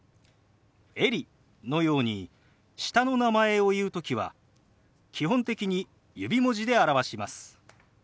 「エリ」のように下の名前を言う時は基本的に指文字で表します。